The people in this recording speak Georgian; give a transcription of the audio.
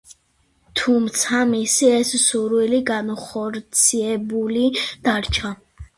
თუმცა მისი ეს სურვილი განუხორციელებელი დარჩა.